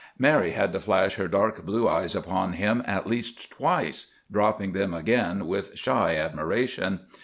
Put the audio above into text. Mary had to flash her dark blue eyes upon him at least twice, dropping them again with shy admiration.